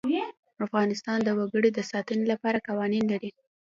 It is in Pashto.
افغانستان د وګړي د ساتنې لپاره قوانین لري.